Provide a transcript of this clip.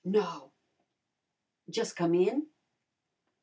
"No." "Jus'come in?"